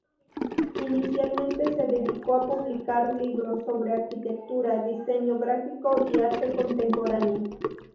Inicialmente se dedicó a publicar libros sobre arquitectura, diseño gráfico y arte contemporáneo.